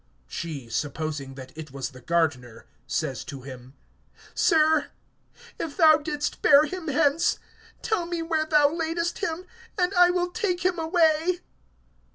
She, supposing that it was the gardener, says to him: Sir, if thou didst bear him hence, tell me where thou laidest him, and I will take him away.